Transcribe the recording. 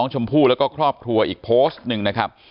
ชมพู่แล้วก็ครอบครัวอีกโพสต์หนึ่งนะครับ